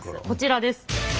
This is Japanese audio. こちらです。